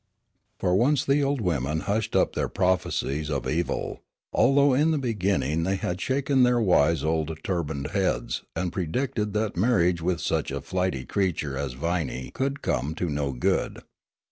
For once the old women hushed up their prophecies of evil, although in the beginning they had shaken their wise old turbaned heads and predicted that marriage with such a flighty creature as Viney could come to no good.